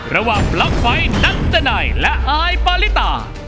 ระหว่างปลั๊กไฟนักจนัยและอายปาลิตา